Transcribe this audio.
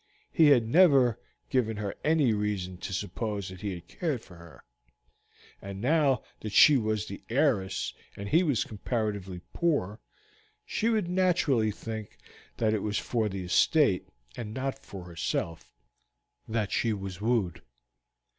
He had never given her any reason to suppose that he cared for her, and now that she was the heiress and he comparatively poor, she would naturally think that it was for the estate, and not for herself, that she was wooed.